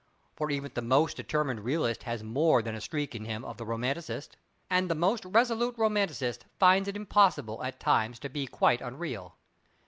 For even the most determined realist has more than a streak in him of the romanticist, and the most resolute romanticist finds it impossible at times to be quite unreal.